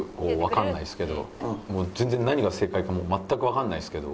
もう全然何が正解か全くわからないですけど。